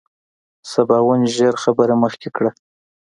سباوون ژر خبره مخکې کړه.